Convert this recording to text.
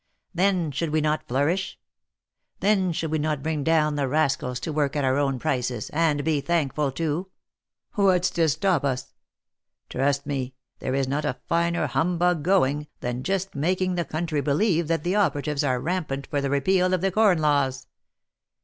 Then should we not flourish ? Then should we not bring down the rascals to work at our own prices, and be thankful too ? What's to stop us ? Trust me there is not a finer humbug going, than just making the country believe that the operatives are rampant for the repeal of the corn laws."